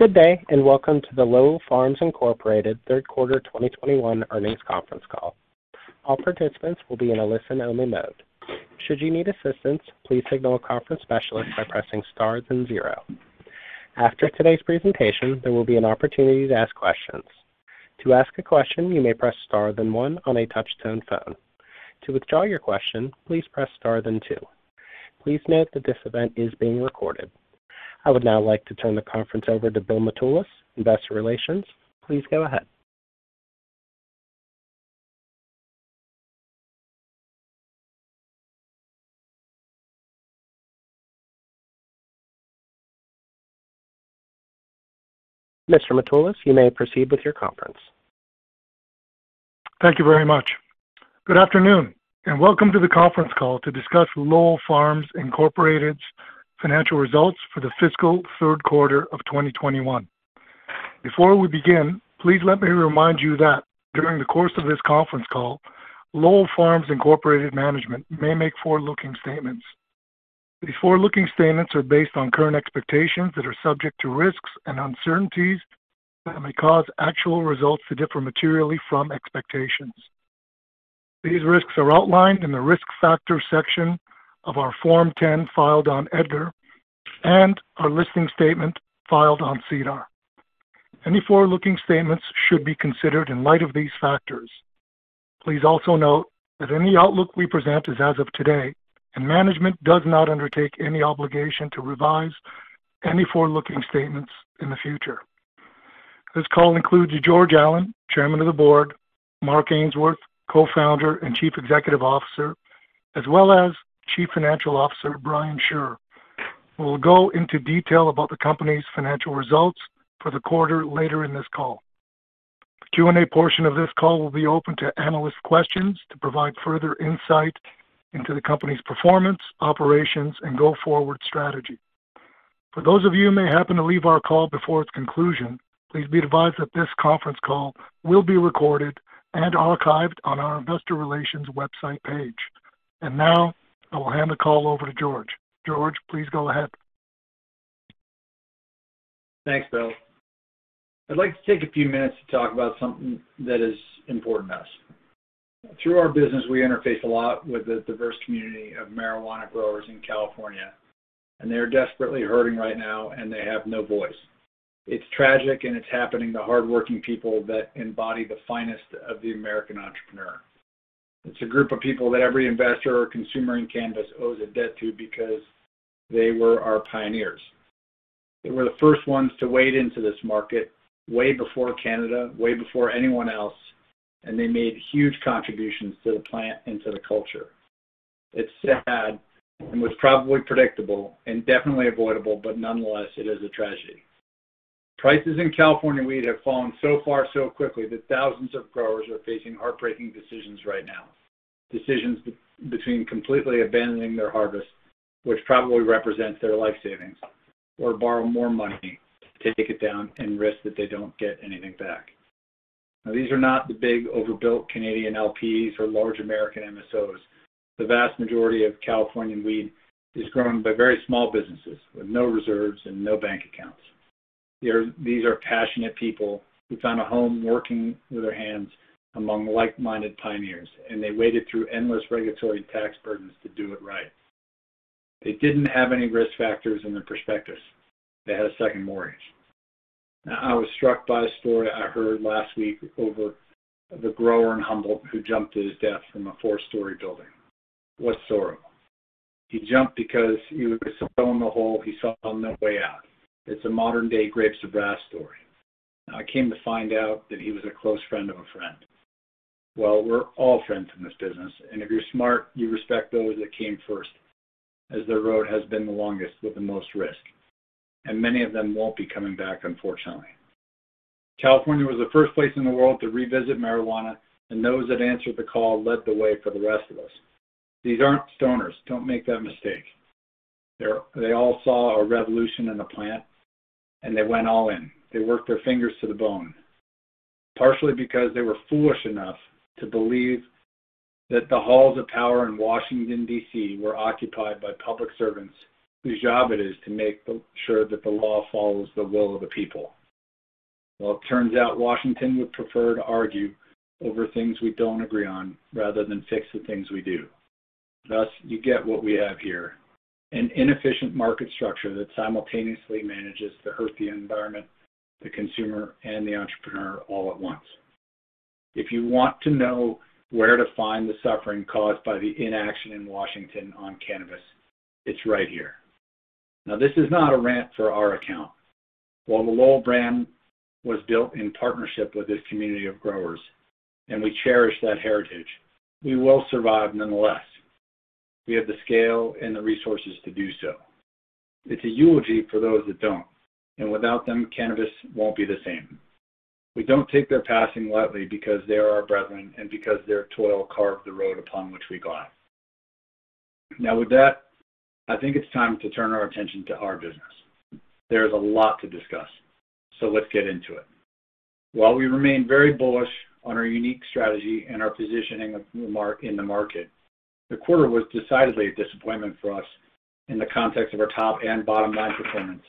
Good day, and welcome to the Lowell Farms Inc Third Quarter 2021 Earnings Conference Call. All participants will be in a listen-only mode. Should you need assistance, please signal a conference specialist by pressing star then zero. After today's presentation, there will be an opportunity to ask questions. To ask a question, you may press star then one on a touch-tone phone. To withdraw your question, please press star then two. Please note that this event is being recorded. I would now like to turn the conference over to Bill Mitoulas, Investor Relations. Please go ahead. Mr. Mitoulas, you may proceed with your conference. Thank you very much. Good afternoon, and welcome to the conference call to discuss Lowell Farms Inc's Financial Results for the Fiscal Third Quarter of 2021. Before we begin, please let me remind you that during the course of this conference call, Lowell Farms Inc management may make forward-looking statements. These forward-looking statements are based on current expectations that are subject to risks and uncertainties that may cause actual results to differ materially from expectations. These risks are outlined in the Risk Factors section of our Form 10 filed on EDGAR and our listing statement filed on SEDAR. Any forward-looking statements should be considered in light of these factors. Please also note that any outlook we present is as of today, and management does not undertake any obligation to revise any forward-looking statements in the future. This call includes George Allen, Chairman of the Board, Mark Ainsworth, Co-Founder and Chief Executive Officer, as well as Chief Financial Officer, Brian Shure, who will go into detail about the company's financial results for the quarter later in this call. The Q&A portion of this call will be open to analyst questions to provide further insight into the company's performance, operations, and go-forward strategy. For those of you who may happen to leave our call before its conclusion, please be advised that this conference call will be recorded and archived on our investor relations website page. Now, I will hand the call over to George. George, please go ahead. Thanks, Bill. I'd like to take a few minutes to talk about something that is important to us. Through our business, we interface a lot with the diverse community of marijuana growers in California, and they are desperately hurting right now, and they have no voice. It's tragic, and it's happening to hardworking people that embody the finest of the American entrepreneur. It's a group of people that every investor or consumer in cannabis owes a debt to because they were our pioneers. They were the first ones to wade into this market way before Canada, way before anyone else, and they made huge contributions to the plant and to the culture. It's sad and was probably predictable and definitely avoidable, but nonetheless, it is a tragedy. Prices in California weed have fallen so far so quickly that thousands of growers are facing heartbreaking decisions right now. Decisions between completely abandoning their harvest, which probably represents their life savings, or borrow more money to take it down and risk that they don't get anything back. Now, these are not the big overbuilt Canadian LPs or large American MSOs. The vast majority of Californian weed is grown by very small businesses with no reserves and no bank accounts. These are passionate people who found a home working with their hands among like-minded pioneers, and they waded through endless regulatory tax burdens to do it right. They didn't have any risk factors in their prospectus. They had a second mortgage. Now, I was struck by a story I heard last week of a grower in Humboldt who jumped to his death from a four-story building. It was sorrowful. He jumped because he was so in the hole, he saw no way out. It's a modern-day Grapes of Wrath story. I came to find out that he was a close friend of a friend. Well, we're all friends in this business, and if you're smart, you respect those that came first, as their road has been the longest with the most risk, and many of them won't be coming back, unfortunately. California was the first place in the world to revisit marijuana, and those that answered the call led the way for the rest of us. These aren't stoners. Don't make that mistake. They all saw a revolution in the plant, and they went all in. They worked their fingers to the bone, partially because they were foolish enough to believe that the halls of power in Washington, D.C., were occupied by public servants whose job it is to make sure that the law follows the will of the people. Well, it turns out Washington would prefer to argue over things we don't agree on rather than fix the things we do. Thus, you get what we have here, an inefficient market structure that simultaneously manages to hurt the environment, the consumer, and the entrepreneur all at once. If you want to know where to find the suffering caused by the inaction in Washington on cannabis, it's right here. Now, this is not a rant for our account. While the Lowell brand was built in partnership with this community of growers, and we cherish that heritage, we will survive nonetheless. We have the scale and the resources to do so. It's a eulogy for those that don't, and without them, cannabis won't be the same. We don't take their passing lightly because they are our brethren and because their toil carved the road upon which we glide. Now, with that, I think it's time to turn our attention to our business. There is a lot to discuss, so let's get into it. While we remain very bullish on our unique strategy and our positioning of Mark in the market, the quarter was decidedly a disappointment for us in the context of our top and bottom line performance,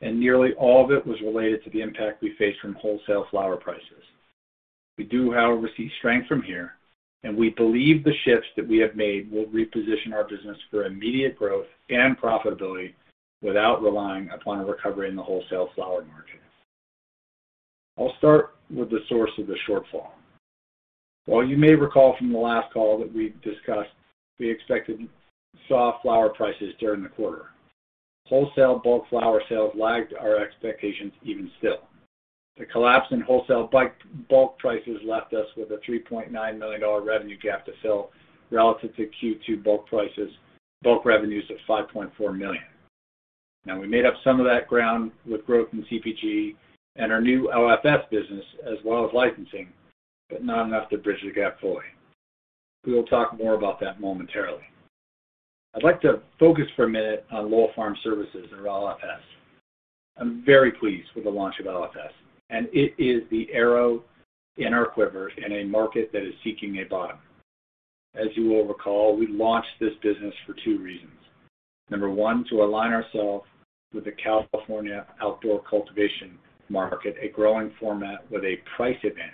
and nearly all of it was related to the impact we face from wholesale flower prices. We do, however, see strength from here, and we believe the shifts that we have made will reposition our business for immediate growth and profitability without relying upon a recovery in the wholesale flower margins. I'll start with the source of the shortfall. While you may recall from the last call that we discussed, we expected soft flower prices during the quarter. Wholesale bulk flower sales lagged our expectations even still. The collapse in wholesale bulk prices left us with a $3.9 million revenue gap to fill relative to Q2 bulk prices, bulk revenues of $5.4 million. Now we made up some of that ground with growth in CPG and our new LFS business, as well as licensing, but not enough to bridge the gap fully. We will talk more about that momentarily. I'd like to focus for a minute on Lowell Farm Services or LFS. I'm very pleased with the launch of LFS, and it is the arrow in our quiver in a market that is seeking a bottom. As you will recall, we launched this business for two reasons. Number one, to align ourselves with the California outdoor cultivation market, a growing format with a price advantage.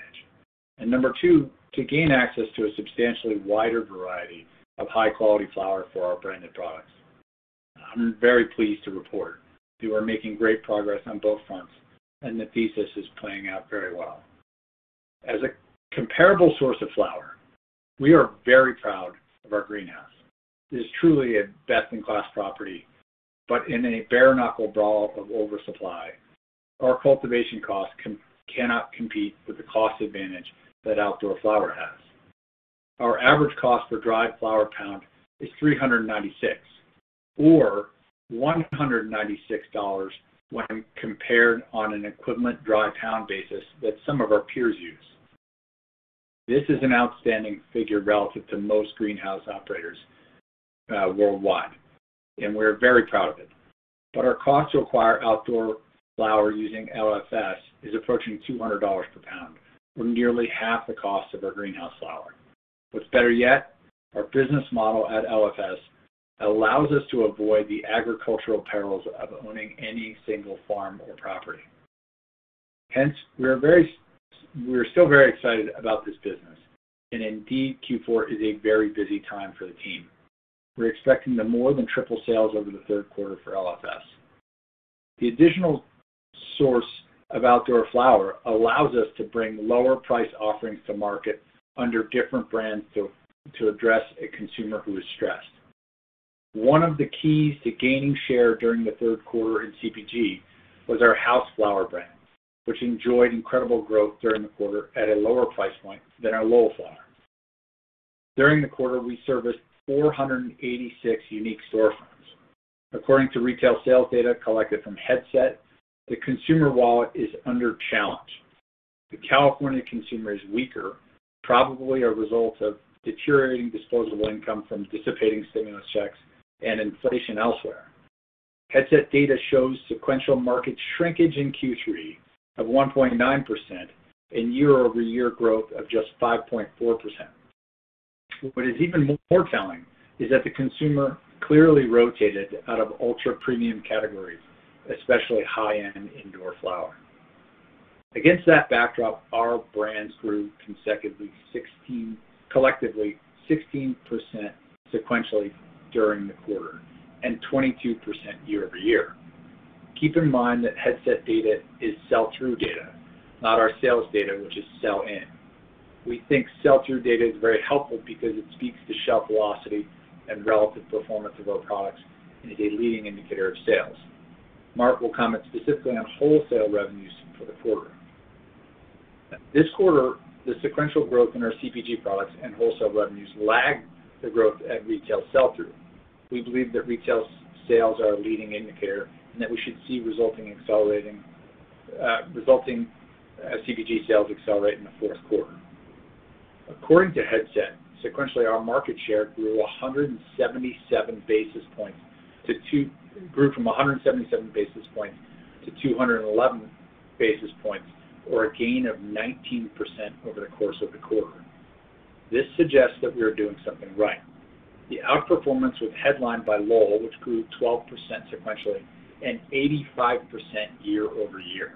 Number two, to gain access to a substantially wider variety of high-quality flower for our branded products. I'm very pleased to report we are making great progress on both fronts, and the thesis is playing out very well. As a comparable source of flower, we are very proud of our greenhouse. It is truly a best-in-class property, but in a bare-knuckle brawl of oversupply, our cultivation costs cannot compete with the cost advantage that outdoor flower has. Our average cost per dried flower lb is $396, or $196 when compared on an equivalent dry lb basis that some of our peers use. This is an outstanding figure relative to most greenhouse operators worldwide, and we're very proud of it. Our cost to acquire outdoor flower using LFS is approaching $200 per lb. We're nearly half the cost of our greenhouse flower. What's better yet, our business model at LFS allows us to avoid the agricultural perils of owning any single farm or property. Hence, we're still very excited about this business. Indeed, Q4 is a very busy time for the team. We're expecting to more than triple sales over the third quarter for LFS. The additional source of outdoor flower allows us to bring lower price offerings to market under different brands to address a consumer who is stressed. One of the keys to gaining share during the third quarter in CPG was our house flower brand, which enjoyed incredible growth during the quarter at a lower price point than our Lowell flower. During the quarter, we serviced 486 unique store fronts. According to retail sales data collected from Headset, the consumer wallet is under challenge. The California consumer is weaker, probably a result of deteriorating disposable income from dissipating stimulus checks and inflation elsewhere. Headset data shows sequential market shrinkage in Q3 of 1.9% and YoY growth of just 5.4%. What is even more telling is that the consumer clearly rotated out of ultra-premium categories, especially high-end indoor flower. Against that backdrop, our brands grew collectively 16% sequentially during the quarter and 22% YoY. Keep in mind that Headset data is sell-through data, not our sales data, which is sell-in. We think sell-through data is very helpful because it speaks to shelf velocity and relative performance of our products, and it is a leading indicator of sales. Mark will comment specifically on wholesale revenues for the quarter. This quarter, the sequential growth in our CPG products and wholesale revenues lagged the growth at retail sell-through. We believe that retail sales are a leading indicator and that we should see resulting CPG sales accelerate in the fourth quarter. According to Headset, sequentially, our market share grew from 177 basis points to 211 basis points or a gain of 19% over the course of the quarter. This suggests that we are doing something right. The outperformance was headlined by Lowell, which grew 12% sequentially and 85% YoY.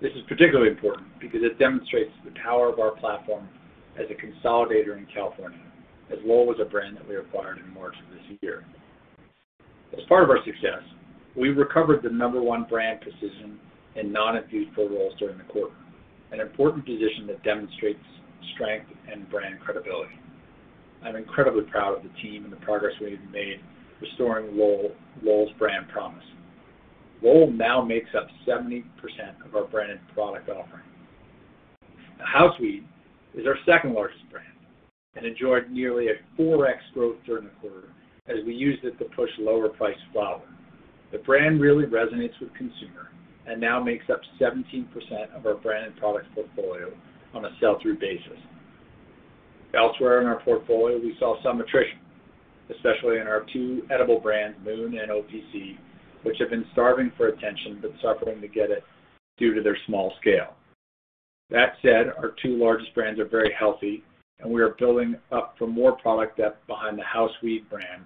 This is particularly important because it demonstrates the power of our platform as a consolidator in California, as Lowell was a brand that we acquired in March of this year. As part of our success, we recovered the number one brand position in non-infused pre-rolls during the quarter, an important position that demonstrates strength and brand credibility. I'm incredibly proud of the team and the progress we've made restoring Lowell's brand promise. Lowell now makes up 70% of our branded product offering. Now House Weed is our second-largest brand and enjoyed nearly a 4x growth during the quarter as we used it to push lower-priced flower. The brand really resonates with consumer and now makes up 17% of our branded products portfolio on a sell-through basis. Elsewhere in our portfolio, we saw some attrition, especially in our two edible brands, MOON and OPC, which have been starving for attention but suffering to get it due to their small scale. That said, our two largest brands are very healthy, and we are building up for more product depth behind the House Weed brand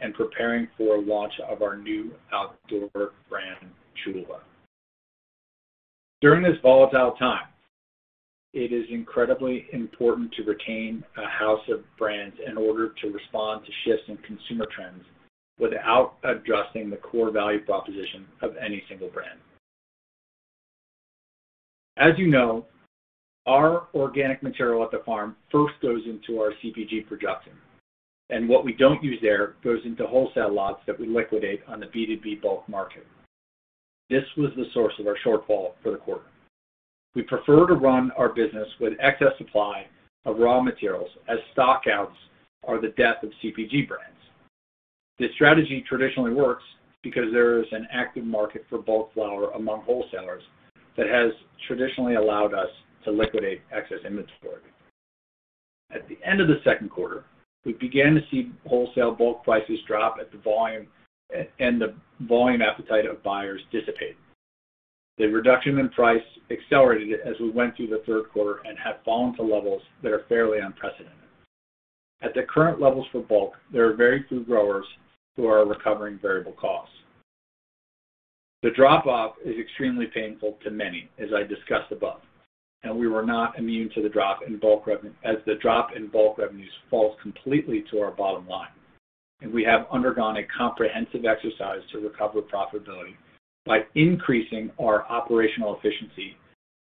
and preparing for launch of our new outdoor brand, Chula. During this volatile time, it is incredibly important to retain a house of brands in order to respond to shifts in consumer trends without adjusting the core value proposition of any single brand. As you know, our organic material at the farm first goes into our CPG production, and what we don't use there goes into wholesale lots that we liquidate on the B2B bulk market. This was the source of our shortfall for the quarter. We prefer to run our business with excess supply of raw materials, as stock outs are the death of CPG brands. This strategy traditionally works because there is an active market for bulk flower among wholesalers that has traditionally allowed us to liquidate excess inventory. At the end of the second quarter, we began to see wholesale bulk prices drop, and the volume appetite of buyers dissipate. The reduction in price accelerated as we went through the third quarter and have fallen to levels that are fairly unprecedented. At the current levels for bulk, there are very few growers who are recovering variable costs. The drop-off is extremely painful to many, as I discussed above, and we were not immune to the drop in bulk revenues as the drop in bulk revenues falls completely to our bottom line, and we have undergone a comprehensive exercise to recover profitability by increasing our operational efficiency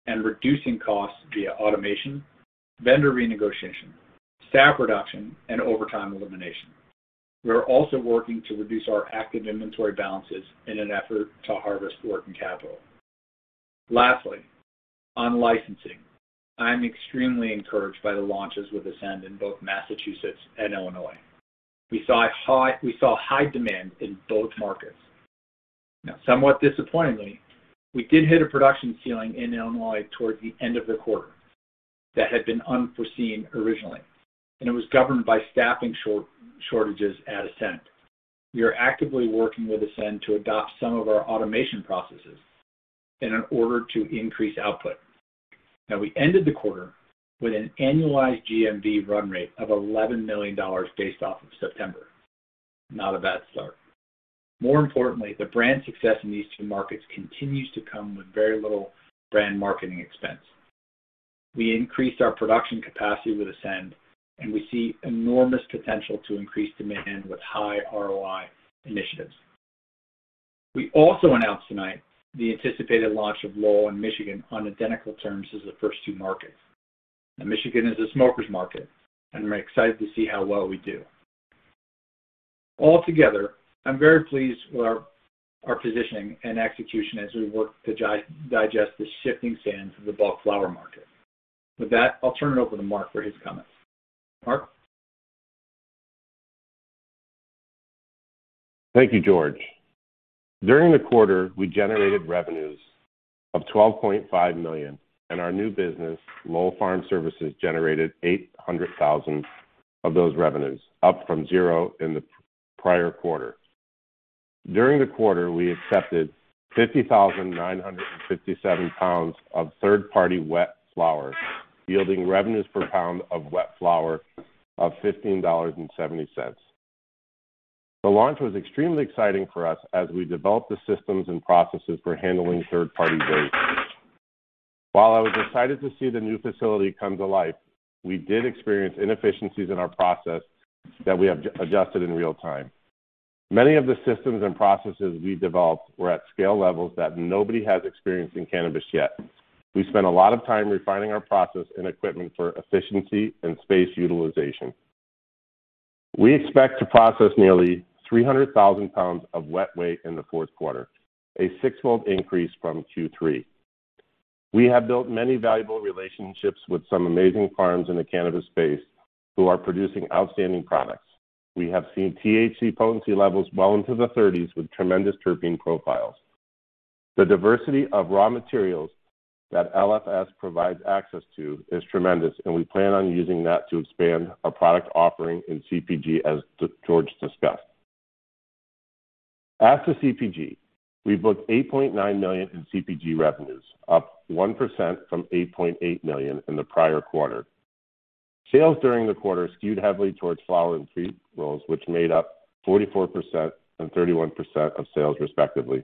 and reducing costs via automation, vendor renegotiation, staff reduction, and overtime elimination. We are also working to reduce our active inventory balances in an effort to harvest working capital. Lastly, on licensing, I am extremely encouraged by the launches with Ascend in both Massachusetts and Illinois. We saw high demand in both markets. Now, somewhat disappointingly, we did hit a production ceiling in Illinois towards the end of the quarter that had been unforeseen originally, and it was governed by staffing shortages at Ascend. We are actively working with Ascend to adopt some of our automation processes in order to increase output. Now, we ended the quarter with an annualized GMV run rate of $11 million based off of September. Not a bad start. More importantly, the brand success in these two markets continues to come with very little brand marketing expense. We increased our production capacity with Ascend, and we see enormous potential to increase demand with high ROI initiatives. We also announced tonight the anticipated launch of Lowell in Michigan on identical terms as the first two markets. Now, Michigan is a smokers market, and we're excited to see how well we do. Altogether, I'm very pleased with our positioning and execution as we work to digest the shifting sands of the bulk flower market. With that, I'll turn it over to Mark for his comments. Mark? Thank you, George. During the quarter, we generated revenues of $12.5 million, and our new business, Lowell Farm Services, generated $800,000 of those revenues, up from zero in the prior quarter. During the quarter, we accepted 50,957 lbs of third-party wet flower, yielding revenues per lb of wet flower of $15.70. The launch was extremely exciting for us as we developed the systems and processes for handling third-party grades. While I was excited to see the new facility come to life, we did experience inefficiencies in our process that we have adjusted in real time. Many of the systems and processes we developed were at scale levels that nobody has experienced in cannabis yet. We spent a lot of time refining our process and equipment for efficiency and space utilization. We expect to process nearly 300,000 lbs of wet weight in the fourth quarter, a six-fold increase from Q3. We have built many valuable relationships with some amazing farms in the cannabis space who are producing outstanding products. We have seen THC potency levels well into the thirties with tremendous terpene profiles. The diversity of raw materials that LFS provides access to is tremendous, and we plan on using that to expand our product offering in CPG, as George discussed. As to CPG, we booked $8.9 million in CPG revenues, up 1% from $8.8 million in the prior quarter. Sales during the quarter skewed heavily towards flower and pre-rolls, which made up 44% and 31% of sales respectively.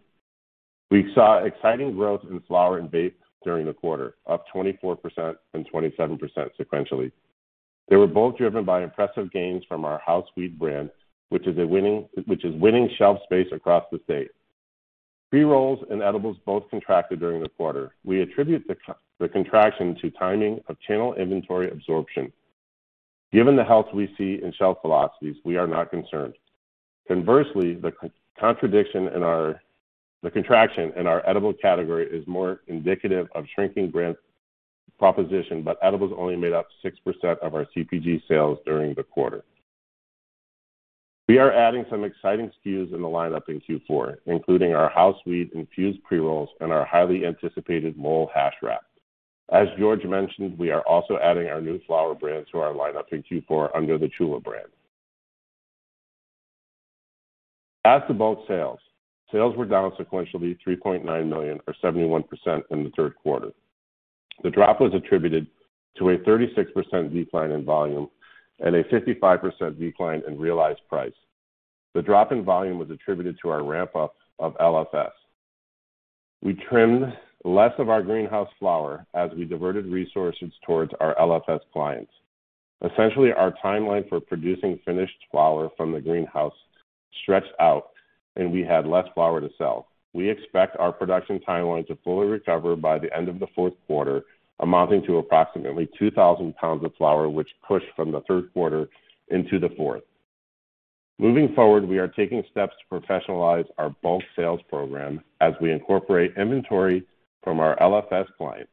We saw exciting growth in flower and vapes during the quarter, up 24% and 27% sequentially. They were both driven by impressive gains from our House Weed brand, which is winning shelf space across the state. Pre-rolls and edibles both contracted during the quarter. We attribute the contraction to timing of channel inventory absorption. Given the health we see in shelf velocities, we are not concerned. Conversely, the contraction in our edible category is more indicative of shrinking brand proposition, but edibles only made up 6% of our CPG sales during the quarter. We are adding some exciting SKUs in the lineup in Q4, including our House Weed-infused pre-rolls and our highly anticipated Lowell Hash Wrap. As George mentioned, we are also adding our new flower brand to our lineup in Q4 under the Chula brand. As to bulk sales were down sequentially $3.9 million or 71% in the third quarter. The drop was attributed to a 36% decline in volume and a 55% decline in realized price. The drop in volume was attributed to our ramp-up of LFS. We trimmed less of our greenhouse flower as we diverted resources towards our LFS clients. Essentially, our timeline for producing finished flower from the greenhouse stretched out and we had less flower to sell. We expect our production timeline to fully recover by the end of the fourth quarter, amounting to approximately 2,000 lbs of flower which pushed from the third quarter into the fourth. Moving forward, we are taking steps to professionalize our bulk sales program as we incorporate inventory from our LFS clients.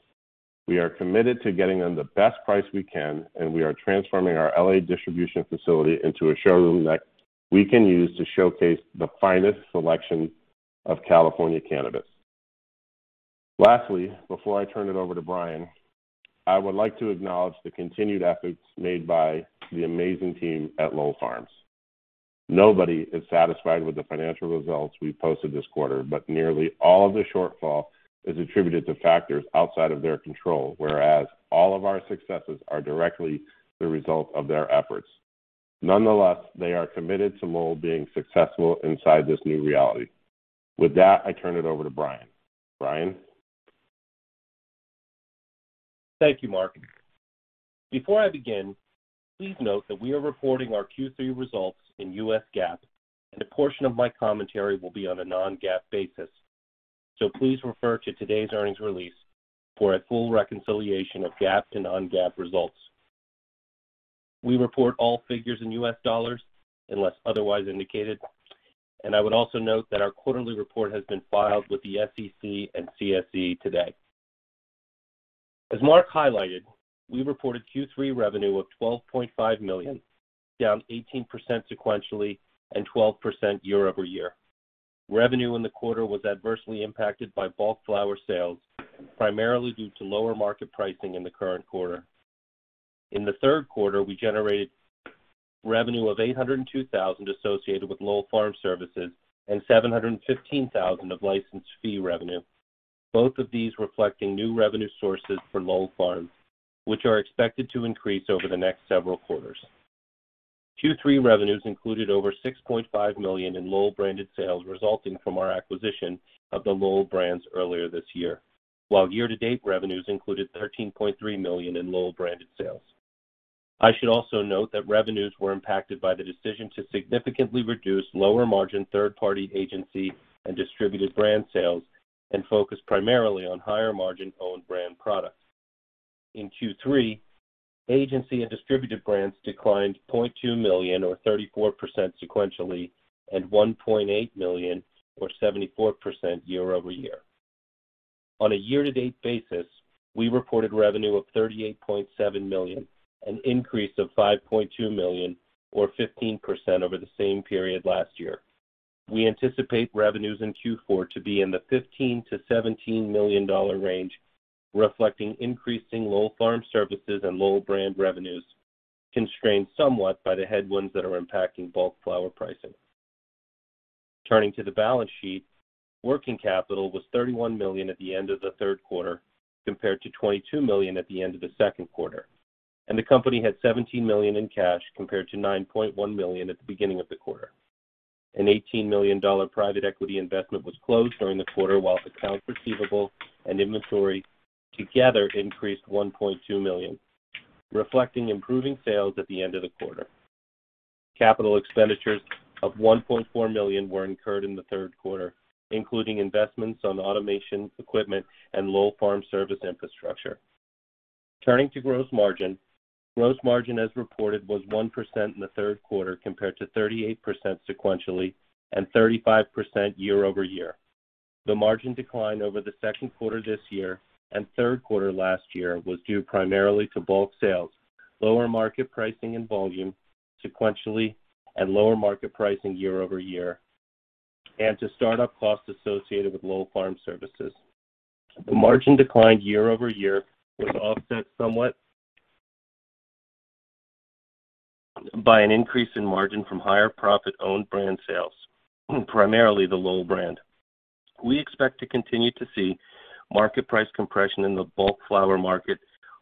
We are committed to getting them the best price we can, and we are transforming our L.A. distribution facility into a showroom that we can use to showcase the finest selection of California cannabis. Lastly, before I turn it over to Brian, I would like to acknowledge the continued efforts made by the amazing team at Lowell Farms. Nobody is satisfied with the financial results we posted this quarter, but nearly all of the shortfall is attributed to factors outside of their control, whereas all of our successes are directly the result of their efforts. Nonetheless, they are committed to Lowell being successful inside this new reality. With that, I turn it over to Brian. Brian? Thank you, Mark. Before I begin, please note that we are reporting our Q3 results in U.S. GAAP, and a portion of my commentary will be on a non-GAAP basis. Please refer to today's earnings release for a full reconciliation of GAAP and non-GAAP results. We report all figures in U.S. dollars unless otherwise indicated. I would also note that our quarterly report has been filed with the SEC and CSE today. As Mark highlighted, we reported Q3 revenue of $12.5 million, down 18% sequentially and 12% YoY. Revenue in the quarter was adversely impacted by bulk flower sales, primarily due to lower market pricing in the current quarter. In the third quarter, we generated revenue of $802,000 associated with Lowell Farm Services and $715,000 of license fee revenue, both of these reflecting new revenue sources for Lowell Farms, which are expected to increase over the next several quarters. Q3 revenues included over $6.5 million in Lowell-branded sales resulting from our acquisition of the Lowell brands earlier this year. While year-to-date revenues included $13.3 million in Lowell branded sales. I should also note that revenues were impacted by the decision to significantly reduce lower-margin third-party agency and distributed brand sales, and focus primarily on higher-margin own brand products. In Q3, agency and distributed brands declined $0.2 million or 34% sequentially, and $1.8 million or 74% YoY. On a year-to-date basis, we reported revenue of $38.7 million, an increase of $5.2 million or 15% over the same period last year. We anticipate revenues in Q4 to be in the $15 million-$17 million range, reflecting increasing Lowell Farm Services and Lowell brand revenues, constrained somewhat by the headwinds that are impacting bulk flower pricing. Turning to the balance sheet, working capital was $31 million at the end of the third quarter, compared to $22 million at the end of the second quarter, and the company had $17 million in cash, compared to $9.1 million at the beginning of the quarter. An $18 million private equity investment was closed during the quarter, while accounts receivable and inventory together increased $1.2 million, reflecting improving sales at the end of the quarter. Capital expenditures of $1.4 million were incurred in the third quarter, including investments on automation equipment and Lowell Farm Services infrastructure. Turning to gross margin. Gross margin, as reported, was 1% in the third quarter, compared to 38% sequentially and 35% YoY. The margin decline over the second quarter this year and third quarter last year was due primarily to bulk sales, lower market pricing and volume sequentially, and lower market pricing YoY, and to start-up costs associated with Lowell Farm Services. The margin decline YoY was offset somewhat by an increase in margin from higher profit owned brand sales, primarily the Lowell brand. We expect to continue to see market price compression in the bulk flower market,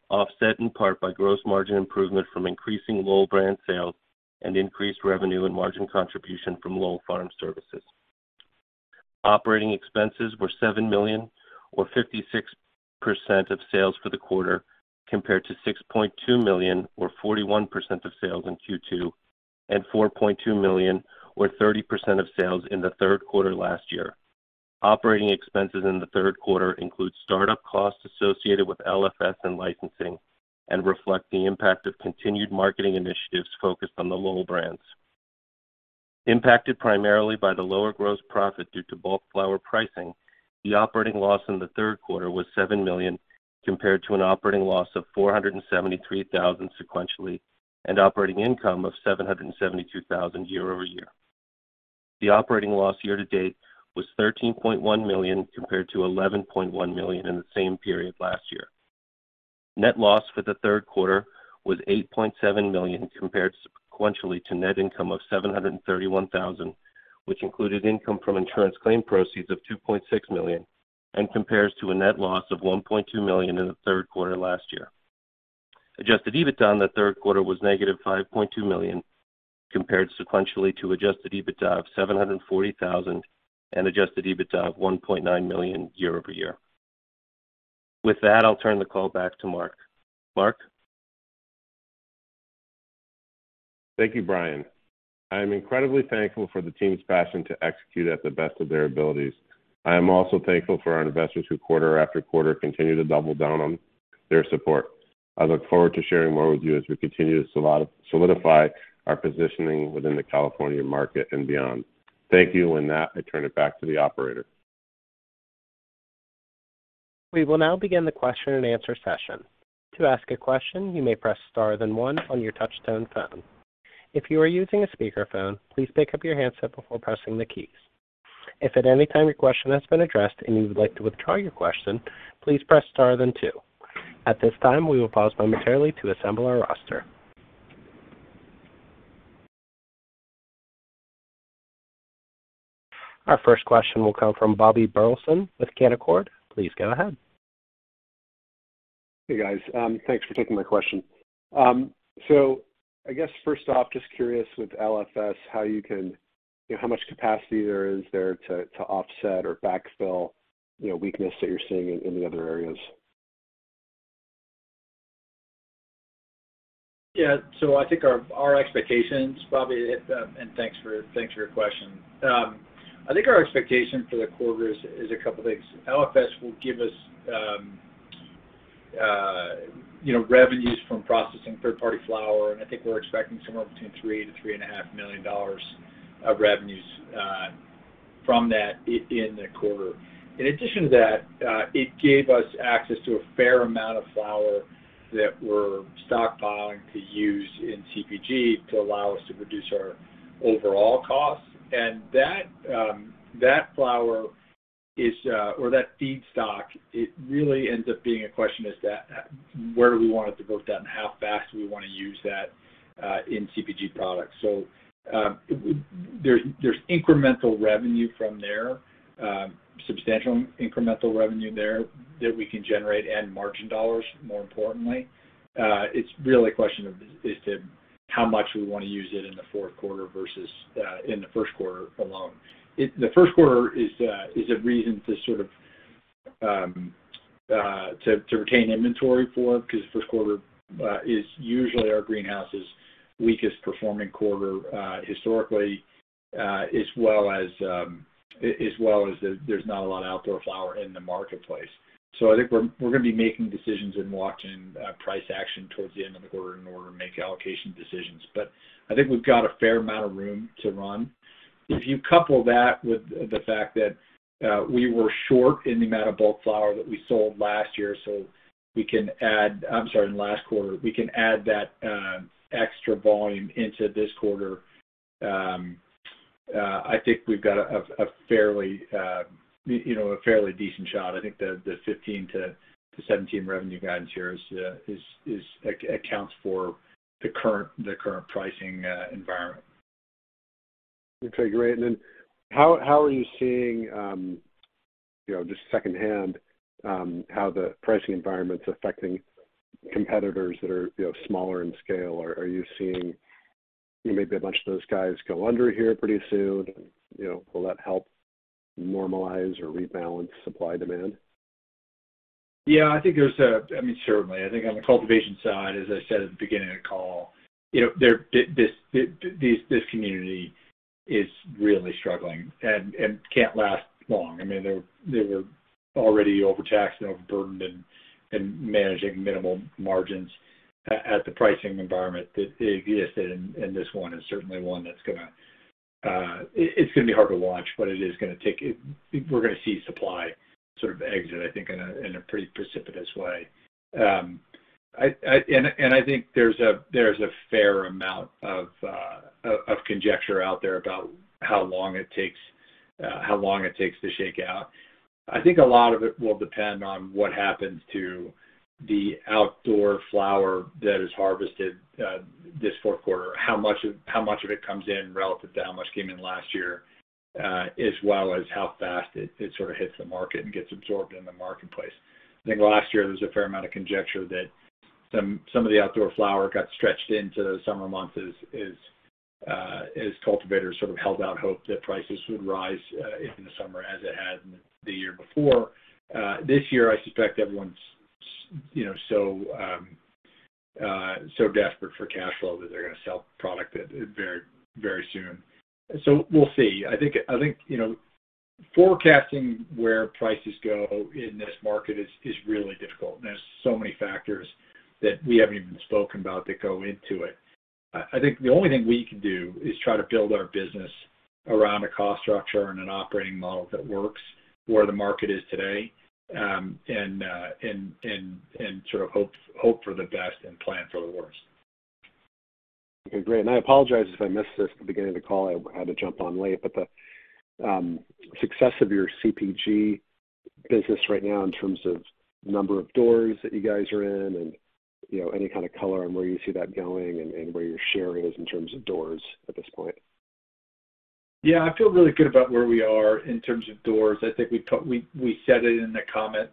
offset in part by gross margin improvement from increasing Lowell brand sales and increased revenue and margin contribution from Lowell Farm Services. Operating expenses were $7 million or 56% of sales for the quarter, compared to $6.2 million or 41% of sales in Q2, and $4.2 million or 30% of sales in the third quarter last year. Operating expenses in the third quarter include startup costs associated with LFS and licensing and reflect the impact of continued marketing initiatives focused on the Lowell brands. Impacted primarily by the lower gross profit due to bulk flower pricing, the operating loss in the third quarter was $7 million, compared to an operating loss of $473,000 sequentially and operating income of $772,000 YoY. The operating loss year to date was $13.1 million compared to $11.1 million in the same period last year. Net loss for the third quarter was $8.7 million compared sequentially to net income of $731,000, which included income from insurance claim proceeds of $2.6 million and compares to a net loss of $1.2 million in the third quarter last year. Adjusted EBITDA in the third quarter was negative $5.2 million compared sequentially to adjusted EBITDA of $740,000 and adjusted EBITDA of $1.9 million YoY. With that, I'll turn the call back to Mark. Mark? Thank you, Brian. I am incredibly thankful for the team's passion to execute at the best of their abilities. I am also thankful for our investors who quarter after quarter continue to double down on their support. I look forward to sharing more with you as we continue to solidify our positioning within the California market and beyond. Thank you. With that, I turn it back to the operator. We will now begin the question-and-answer session. To ask a question, you may press star then one on your touch tone phone. If you are using a speakerphone, please pick up your handset before pressing the keys. If at any time your question has been addressed and you would like to withdraw your question, please press star then two. At this time, we will pause momentarily to assemble our roster. Our first question will come from Bobby Burleson with Canaccord. Please go ahead. Hey, guys. Thanks for taking my question. I guess first off, just curious with LFS, how much capacity there is there to offset or backfill, you know, weakness that you're seeing in the other areas. Yeah. I think our expectations, Bobby, and thanks for your question. I think our expectation for the quarter is a couple of things. LFS will give us revenues from processing third-party flower, and I think we're expecting somewhere between $3 million-$3.5 million of revenues from that in the quarter. In addition to that, it gave us access to a fair amount of flower that we're stockpiling to use in CPG to allow us to reduce our overall costs. That flower or that feedstock, it really ends up being a question of that where do we want to book that and how fast do we want to use that in CPG products. There's incremental revenue from there, substantial incremental revenue there that we can generate and margin dollars, more importantly. It's really a question of just how much we want to use it in the fourth quarter versus in the first quarter alone. The first quarter is a reason to sort of to retain inventory for, because first quarter is usually our greenhouse's weakest performing quarter, historically, as well as there's not a lot of outdoor flower in the marketplace. I think we're gonna be making decisions and watching price action towards the end of the quarter in order to make allocation decisions. I think we've got a fair amount of room to run. If you couple that with the fact that we were short in the amount of bulk flower that we sold last year, in last quarter, we can add that extra volume into this quarter. I think we've got a fairly, you know, decent shot. I think the $15 million-$17 million revenue guidance here accounts for the current pricing environment. Okay, great. How are you seeing, you know, just secondhand, how the pricing environment's affecting competitors that are, you know, smaller in scale? Are you seeing maybe a bunch of those guys go under here pretty soon? You know, will that help normalize or rebalance supply demand? Yeah, I think. I mean, certainly, I think on the cultivation side, as I said at the beginning of the call, you know, this community is really struggling and can't last long. I mean, they were already overtaxed and overburdened and managing minimal margins at the pricing environment that existed, and this one is certainly one that's gonna be hard to watch, but it is gonna take. We're gonna see supply sort of exit, I think in a pretty precipitous way. I think there's a fair amount of conjecture out there about how long it takes to shake out. I think a lot of it will depend on what happens to the outdoor flower that is harvested this fourth quarter, how much of it comes in relative to how much came in last year, as well as how fast it sort of hits the market and gets absorbed in the marketplace. I think last year there was a fair amount of conjecture that some of the outdoor flower got stretched into the summer months as cultivators sort of held out hope that prices would rise in the summer as it had the year before. This year I suspect everyone's, you know, so desperate for cash flow that they're gonna sell product at very very soon. We'll see. I think you know forecasting where prices go in this market is really difficult, and there's so many factors that we haven't even spoken about that go into it. I think the only thing we can do is try to build our business around a cost structure and an operating model that works where the market is today, and sort of hope for the best and plan for the worst. Okay, great. I apologize if I missed this at the beginning of the call. I had to jump on late, but the success of your CPG business right now in terms of number of doors that you guys are in and, you know, any kind of color on where you see that going and where your share is in terms of doors at this point? Yeah. I feel really good about where we are in terms of doors. I think we said it in the comment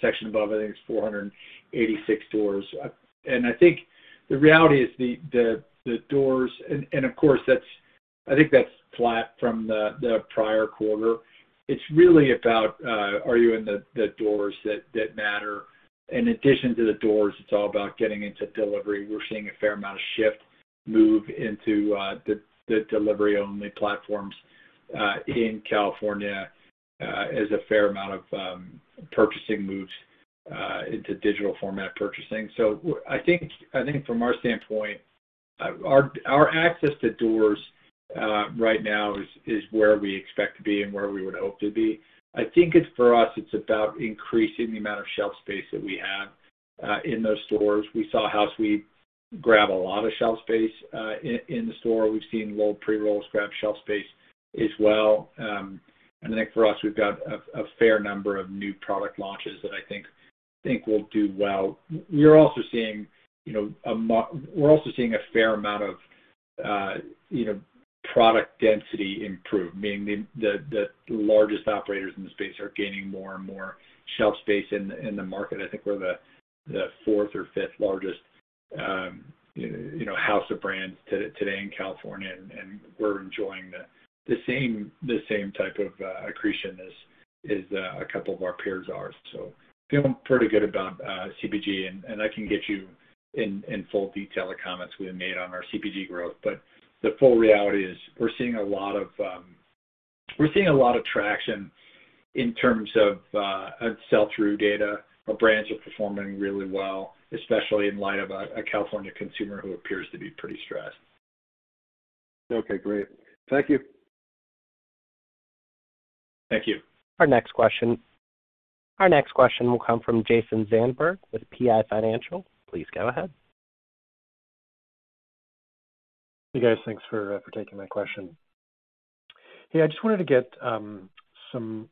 section above. I think it's 486 doors. I think the reality is the doors. Of course, that's flat from the prior quarter. It's really about are you in the doors that matter. In addition to the doors, it's all about getting into delivery. We're seeing a fair amount of shift move into the delivery-only platforms in California, as a fair amount of purchasing moves into digital format purchasing. I think from our standpoint, our access to doors right now is where we expect to be and where we would hope to be. I think it's for us it's about increasing the amount of shelf space that we have in those stores. We saw House Weed grab a lot of shelf space in the store. We've seen Lowell pre-rolls grab shelf space as well. I think for us we've got a fair number of new product launches that I think will do well. We're also seeing you know a fair amount of you know product density improve, meaning the largest operators in the space are gaining more and more shelf space in the market. I think we're the fourth or fifth largest you know house of brands today in California, and we're enjoying the same type of accretion as a couple of our peers are. Feeling pretty good about CPG, and I can get you in full detail the comments we had made on our CPG growth. The full reality is we're seeing a lot of traction in terms of sell-through data. Our brands are performing really well, especially in light of a California consumer who appears to be pretty stressed. Okay, great. Thank you. Thank you. Our next question will come from Jason Zandberg with PI Financial. Please go ahead. Hey, guys. Thanks for taking my question. Hey, I just wanted to get some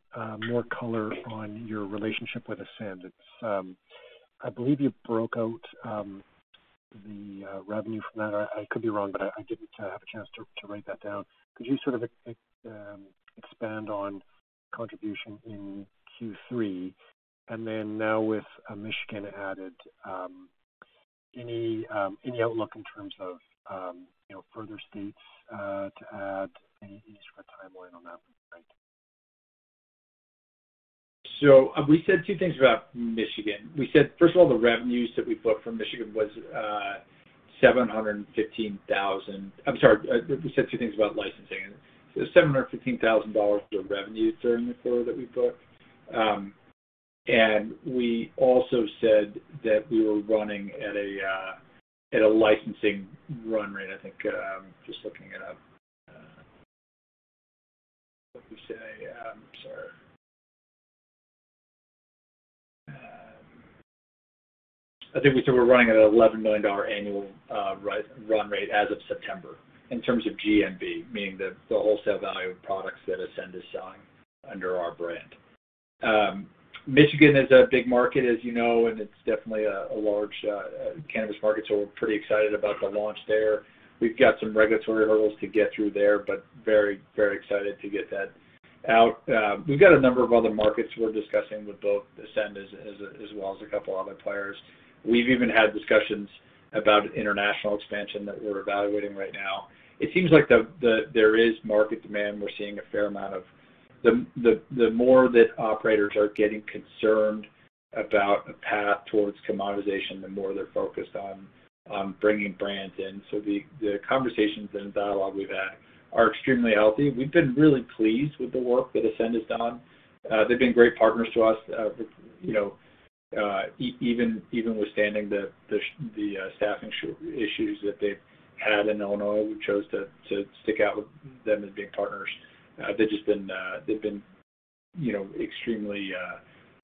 more color on your relationship with Ascend. I believe you broke out the revenue from that. I could be wrong, but I didn't have a chance to write that down. Could you sort of expand on contribution in Q3, and then now with Michigan added, any outlook in terms of you know, further states to add? Any sort of timeline on that front? We said two things about Michigan. We said, first of all, the revenues that we booked from Michigan was $715,000. I'm sorry, we said two things about licensing. $715,000 for revenue during the quarter that we booked. And we also said that we were running at a licensing run rate, I think, just looking it up. What'd we say? Sorry. I think we said we're running at $11 million annual run rate as of September in terms of GMV, meaning the wholesale value of products that Ascend is selling under our brand. Michigan is a big market, as you know, and it's definitely a large cannabis market, we're pretty excited about the launch there. We've got some regulatory hurdles to get through there, but very, very excited to get that out. We've got a number of other markets we're discussing with both Ascend as well as a couple other players. We've even had discussions about international expansion that we're evaluating right now. It seems like there is market demand. We're seeing a fair amount of the more that operators are getting concerned about a path towards commoditization, the more they're focused on bringing brands in. The conversations and dialogue we've had are extremely healthy. We've been really pleased with the work that Ascend has done. They've been great partners to us. You know, even notwithstanding the staffing issues that they've had in Illinois, we chose to stick it out with them as being partners. They've just been you know extremely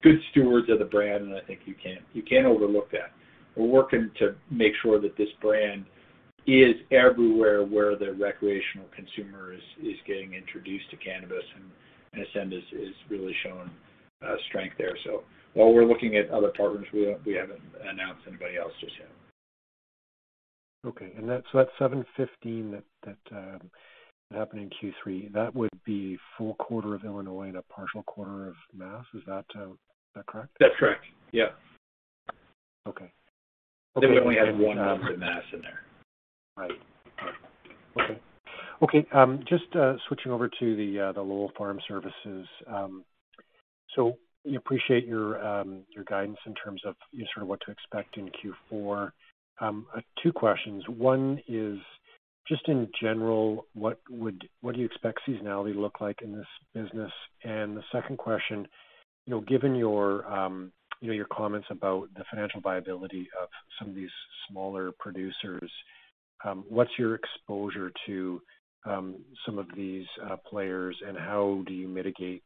good stewards of the brand, and I think you can't overlook that. We're working to make sure that this brand is everywhere where the recreational consumer is getting introduced to cannabis, and Ascend has really shown strength there. While we're looking at other partners, we haven't announced anybody else just yet. That $715,000 that happened in Q3 would be full quarter of Illinois and a partial quarter of Mass. Is that correct? That's correct. Yeah. Okay. They only had one month of Mass in there. Right. All right. Okay. Just switching over to the Lowell Farm Services. So we appreciate your guidance in terms of, you know, sort of what to expect in Q4. Two questions. One is just in general, what do you expect seasonality to look like in this business? And the second question, you know, given your comments about the financial viability of some of these smaller producers, what's your exposure to some of these players, and how do you mitigate.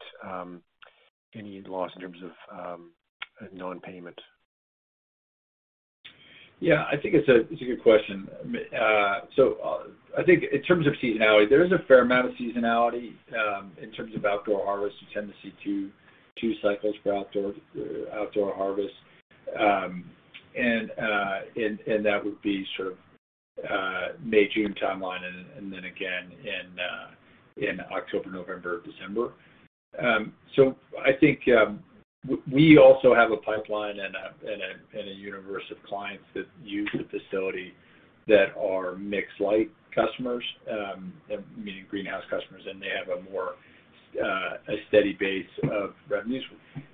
Any loss in terms of, non-payment? Yeah. I think it's a good question. I think in terms of seasonality, there is a fair amount of seasonality in terms of outdoor harvest. You tend to see two cycles for outdoor harvest. That would be sort of May, June timeline and then again in October, November, December. We also have a pipeline and a universe of clients that use the facility that are mixed light customers, meaning greenhouse customers, and they have a more a steady base of revenues.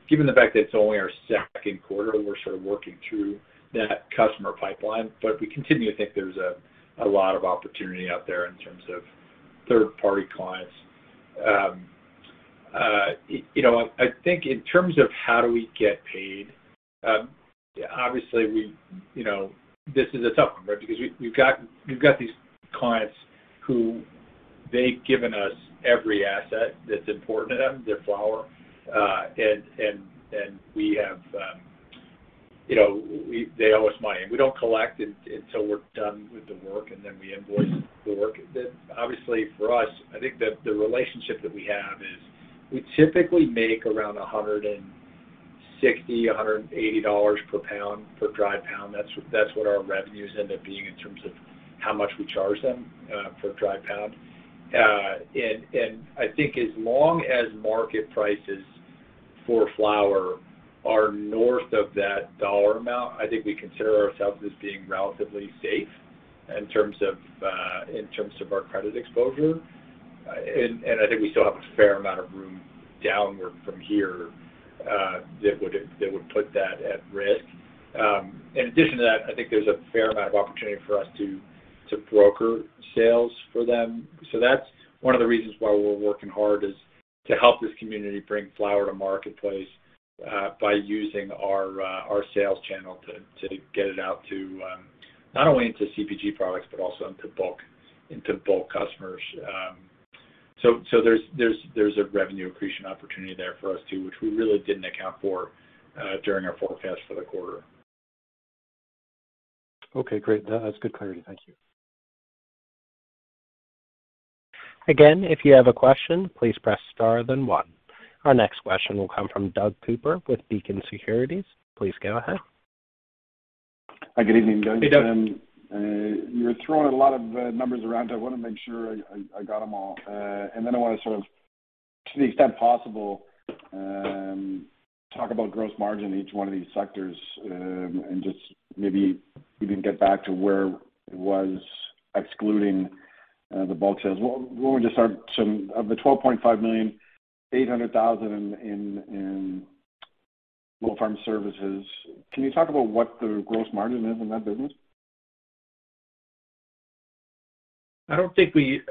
Given the fact that it's only our second quarter, we're sort of working through that customer pipeline, but we continue to think there's a lot of opportunity out there in terms of third-party clients. You know, I think in terms of how do we get paid, obviously we. You know, this is a tough one, right? Because we've got these clients who they've given us every asset that's important to them, their flower, and we have, you know, they owe us money. We don't collect until we're done with the work, and then we invoice the work. But obviously for us, I think the relationship that we have is we typically make around $160-$180 per lb for dry lb. That's what our revenues end up being in terms of how much we charge them per dry pound. I think as long as market prices for flower are north of that dollar amount, I think we consider ourselves as being relatively safe in terms of our credit exposure. I think we still have a fair amount of room downward from here that would put that at risk. In addition to that, I think there's a fair amount of opportunity for us to broker sales for them. That's one of the reasons why we're working hard is to help this community bring flower to marketplace by using our sales channel to get it out to not only into CPG products but also into bulk customers. There's a revenue accretion opportunity there for us too, which we really didn't account for during our forecast for the quarter. Okay, great. That's good clarity. Thank you. Again, if you have a question, please press star then one. Our next question will come from Doug Cooper with Beacon Securities. Please go ahead. Hi, good evening, guys. Hey, Doug. You're throwing a lot of numbers around. I wanna make sure I got them all. And then I wanna sort of, to the extent possible, talk about gross margin in each one of these sectors, and just maybe even get back to where it was excluding the bulk sales. Why don't we just start. Of the $12.5 million, $800,000 in Lowell Farm Services, can you talk about what the gross margin is in that business? I don't think we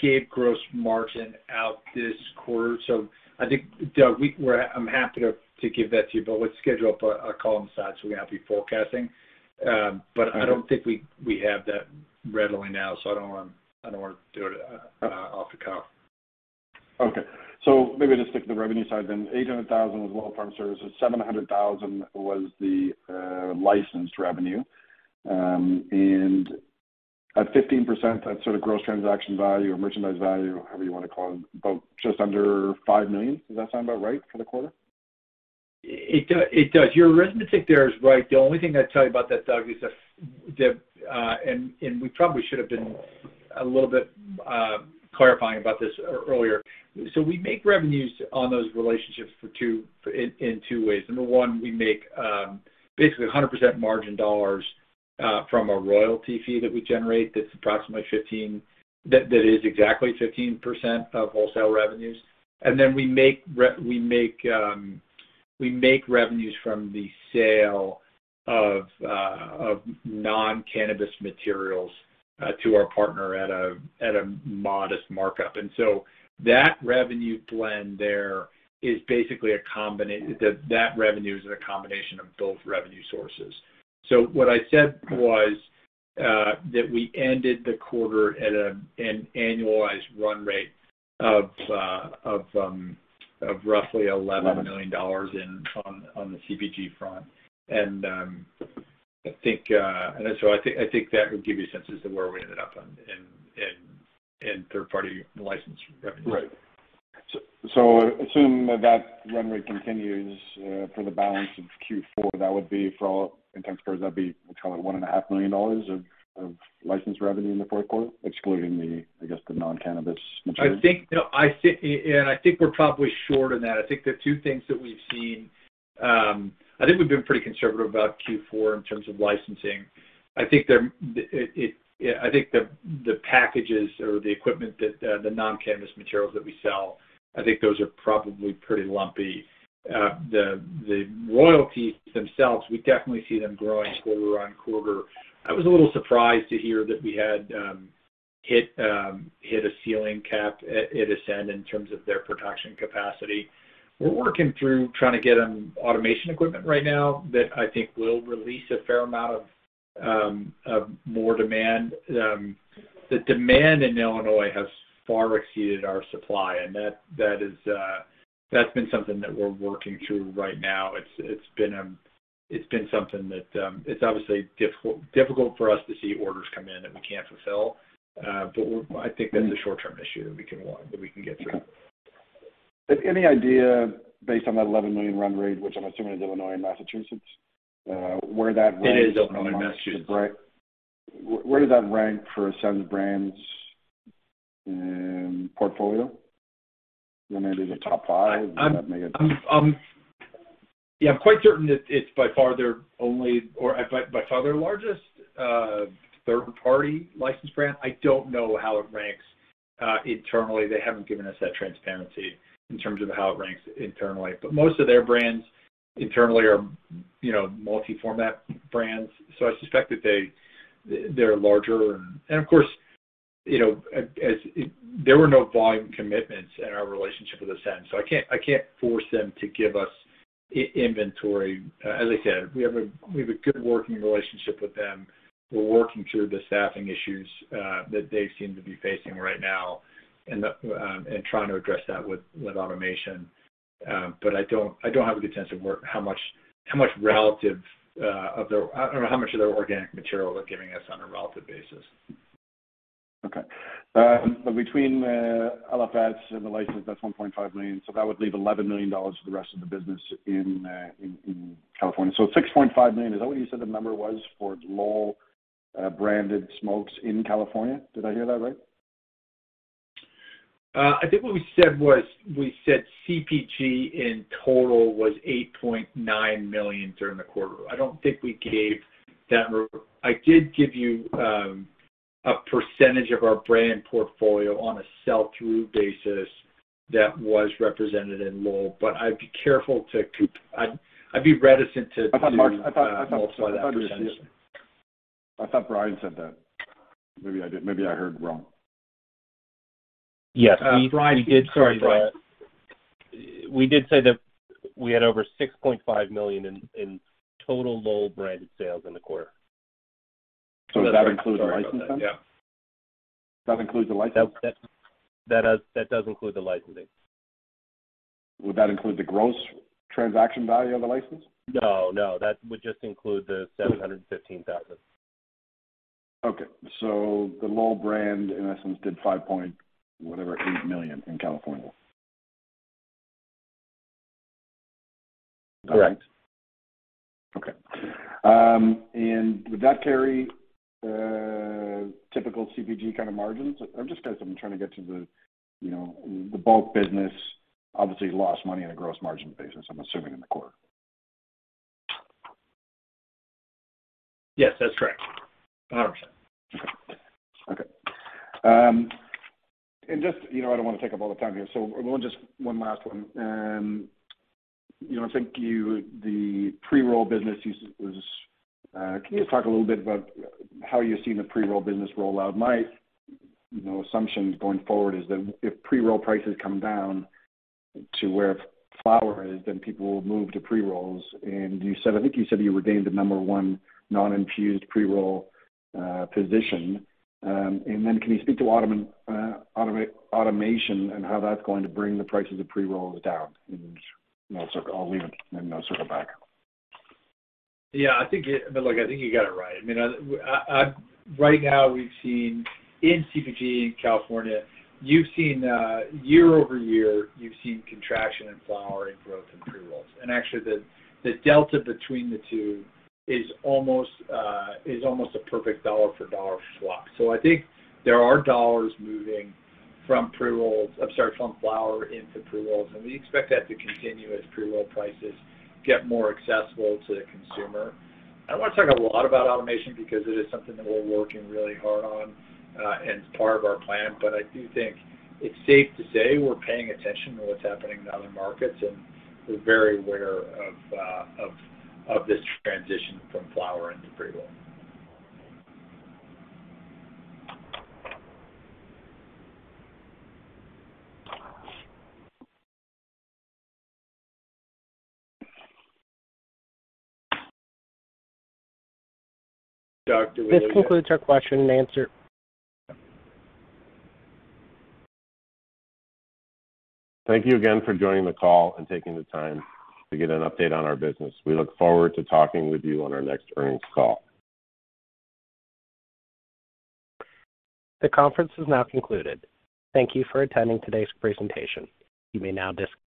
gave gross margin out this quarter. I think, Doug, I'm happy to give that to you, but let's schedule up a call on the side so we don't have to be forecasting. Okay. I don't think we have that readily now, so I don't wanna do it off the cuff. Okay. Maybe just stick to the revenue side then. $800,000 was Lowell Farm Services, $700,000 was the licensed revenue. And at 15%, that's sort of gross transaction value or merchandise value, however you wanna call it, about just under $5 million. Does that sound about right for the quarter? It does. Your arithmetic there is right. The only thing I'd tell you about that, Doug, is that and we probably should have been a little bit clarifying about this earlier. We make revenues on those relationships in two ways. Number one, we make basically 100% margin dollars from a royalty fee that we generate that is exactly 15% of wholesale revenues. And then we make revenues from the sale of non-cannabis materials to our partner at a modest markup. That revenue blend there is basically a combination of both revenue sources. What I said was that we ended the quarter at an annualized run rate of roughly $11 million on the CPG front. I think that would give you a sense as to where we ended up in third party licensed revenues. Assume that run rate continues for the balance of Q4, that would be in terms of that'd be, we'll call it $1.5 million of licensed revenue in the fourth quarter, excluding, I guess, the non-cannabis materials. I think, you know, we're probably short on that. I think the two things that we've seen, I think we've been pretty conservative about Q4 in terms of licensing. I think the packages or the equipment that the non-cannabis materials that we sell, I think those are probably pretty lumpy. The royalties themselves, we definitely see them growing QoQ. I was a little surprised to hear that we had hit a ceiling cap at Ascend in terms of their production capacity. We're working through trying to get automation equipment right now that I think will release a fair amount of more demand. The demand in Illinois has far exceeded our supply, and that is something that we're working through right now. It's been something that's obviously difficult for us to see orders come in that we can't fulfill. I think that's a short-term issue that we can get through. Any idea, based on that $11 million run rate, which I'm assuming is Illinois and Massachusetts, where that ranks. It is Illinois and Massachusetts. Where does that rank for Ascend Wellness Holdings brand' portfolio? You know, maybe the top five? I'm quite certain it's by far their only or by far their largest third-party licensed brand. I don't know how it ranks internally. They haven't given us that transparency in terms of how it ranks internally. Most of their brands internally are, you know, multi-format brands. I suspect that they're larger. Of course, you know, there were no volume commitments in our relationship with Ascend, so I can't force them to give us inventory. As I said, we have a good working relationship with them. We're working through the staffing issues that they seem to be facing right now and trying to address that with automation. I don't have a good sense of where how much relative of their. I don't know how much of their organic material they're giving us on a relative basis. Okay. Between LFS and the license, that's $1.5 million, so that would leave $11 million for the rest of the business in California. $6.5 million, is that what you said the number was for Lowell branded smokes in California? Did I hear that right? I think what we said was, we said CPG in total was $8.9 million during the quarter. I don't think we gave that number. I did give you a percentage of our brand portfolio on a sell-through basis that was represented in Lowell. But I'd be reticent to multiply that percentage. I thought Brian said that. Maybe I did, maybe I heard wrong. Yes. We did. Brian, sorry, Brian. We did say that we had over $6.5 million in total Lowell branded sales in the quarter. Does that include the licensing? Yeah. That includes the licensing? That does include the licensing. Would that include the gross transaction value of the license? No, no, that would just include the $715,000. Okay. The Lowell brand, in essence, did $5.8 million in California. Correct. Okay. Would that carry typical CPG kind of margins? I'm just kind of trying to get to the, you know, the bulk business obviously lost money on a gross margin basis, I'm assuming, in the quarter. Yes, that's correct. 100%. Okay, just, you know, I don't want to take up all the time here, so we'll just one last one. You know, I think you the pre-roll business you said was. Can you talk a little bit about how you're seeing the pre-roll business roll out? My, you know, assumption going forward is that if pre-roll prices come down to where flower is, then people will move to pre-rolls. You said, I think you said you retained the number one non-infused pre-roll position. Then can you speak to automation and how that's going to bring the prices of pre-rolls down? I'll leave it, and then I'll circle back. Look, I think you got it right. I mean, I right now we've seen in CPG in California, you've seen YoY contraction in flower and growth in pre-rolls. Actually, the delta between the two is almost a perfect dollar for dollar swap. I think there are dollars moving from flower into pre-rolls, and we expect that to continue as pre-roll prices get more accessible to the consumer. I don't want to talk a lot about automation because it is something that we're working really hard on, and it's part of our plan. I do think it's safe to say we're paying attention to what's happening in other markets, and we're very aware of this transition from flower into pre-roll. This concludes our question-and-answer. Thank you again for joining the call and taking the time to get an update on our business. We look forward to talking with you on our next earnings call. The conference has now concluded. Thank you for attending today's presentation. You may now dis-